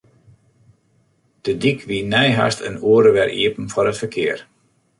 De dyk wie nei hast in oere wer iepen foar it ferkear.